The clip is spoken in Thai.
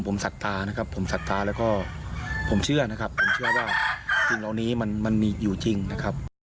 ผมสัดตาแล้วก็ผมเชื่อนะครับผมเชื่อว่าสิ่งเหล่านี้มันมีอยู่จริงนะครับ